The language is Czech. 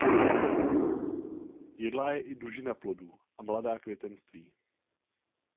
Jedlá je i dužnina plodů a mladá květenství.